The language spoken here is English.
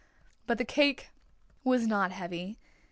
But the cake was not heavy.